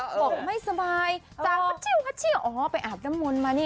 บอกว่าไม่สบายไปอาบน้ำมนต์มานี่